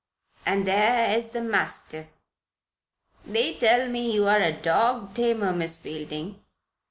"And there is the mastiff. They tell me you are a dog tamer, Miss Fielding."